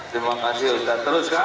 terima kasih sudah terus kan